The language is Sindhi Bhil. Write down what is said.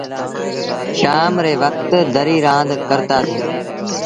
شآم ري وکت دريٚ رآند ڪرتآ سيٚݩ۔